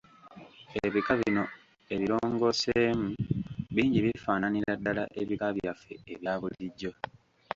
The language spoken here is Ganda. Ebika bino ebirongooseemu bingi bifaananira ddala ebika byaffe ebyabulijjo.